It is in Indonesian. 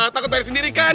takut dari sendiri kan